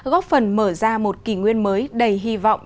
góp phần mở ra một kỷ nguyên mới đầy hy vọng